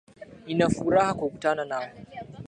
Ninafuraha kukutana nawe